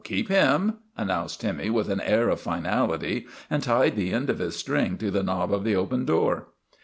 " Keep him," announced Timmy with an air of finality, and tied the end of his string to the knob of the open door.